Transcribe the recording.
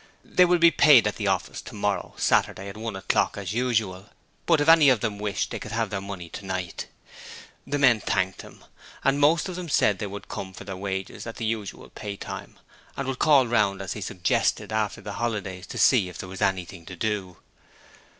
They would be paid at the office tomorrow Saturday at one o'clock as usual, but if any of them wished they could have their money tonight. The men thanked him, and most of them said they would come for their wages at the usual pay time, and would call round as he suggested, after the holidays, to see if there was anything to do.